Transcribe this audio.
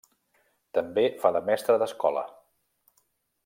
També fa de mestre d'escola.